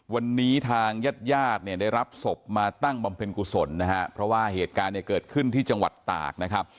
วันนี้ทางญาติญาติเนี่ยได้รับศพมาตั้งบำเพ็ญกุศลนะฮะเพราะว่าเหตุการณ์เนี่ยเกิดขึ้นที่จังหวัดตากนะครับ